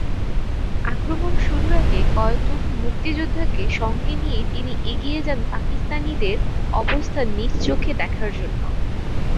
আক্রমণ শুরুর আগে কয়েকজন মুক্তিযোদ্ধাকে সঙ্গে নিয়ে তিনি এগিয়ে যান পাকিস্তানিদের অবস্থান নিজ চোখে দেখার জন্য।